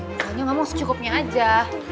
pokoknya ngomong secukupnya aja